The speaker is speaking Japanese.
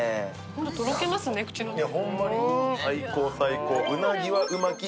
とろけますね、口の中で。